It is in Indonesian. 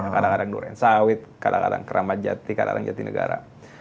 kadang kadang duren sawit kadang kadang keramat jati kadang kadang jatinegara